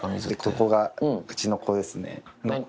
ここがうちの子ですねノエル。